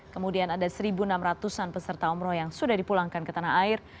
kemudian ada satu enam ratus an peserta umroh yang sudah dipulangkan ke tanah air